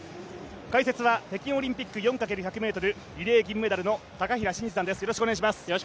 解説は北京オリンピック４×１００ｍリレー銀メダルの高平慎士さんです。